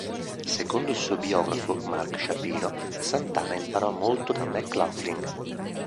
Secondo il suo biografo, Marc Shapiro, Santana imparò molto da McLaughlin.